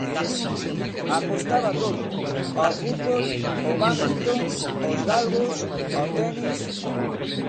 Apostaba a todo: ao fútbol, ao bádminton, aos galgos, ao tenis.